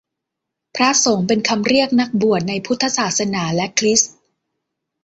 พระสงฆ์เป็นคำเรียกนักบวชในพุทธศาสนา และคริสต์